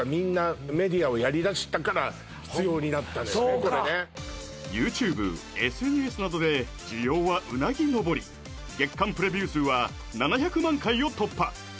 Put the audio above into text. そうかＹｏｕＴｕｂｅＳＮＳなどで需要はうなぎのぼり月間プレビュー数は７００万回を突破！